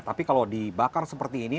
tapi kalau dibakar seperti ini